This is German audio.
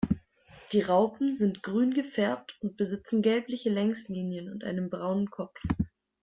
Die Raupen sind grün gefärbt und besitzen gelbliche Längslinien und einen braunen Kopf.